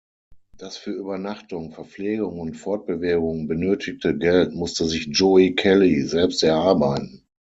Das für Übernachtung, Verpflegung und Fortbewegung benötigte Geld musste sich Joey Kelly selbst erarbeiten.